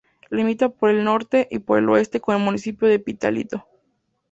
Limita por el norte y por el oeste con el municipio de Pitalito.